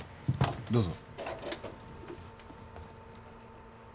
どうぞ。